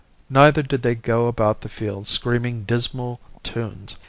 Neither did they go about the fields screaming dismal tunes.